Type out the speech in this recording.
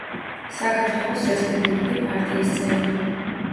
საქართველოს რესპუბლიკური პარტიის წევრი.